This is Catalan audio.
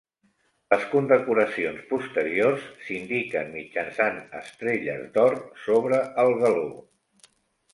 Les condecoracions posteriors s'indiquen mitjançant estrelles d'or sobre el galó.